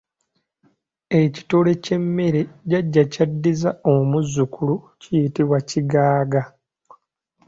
Ekitole ky'emmere jajja ky'addiza omuzzukulu kiyitibwa kigaaga.